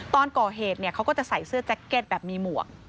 ตอนก่อเหตุเขาก็จะใส่เสื้อแจ็คเก็ตแบบมีหมวก